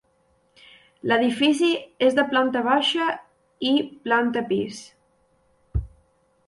L'edifici és de planta baixa i planta pis.